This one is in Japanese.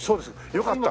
よかった。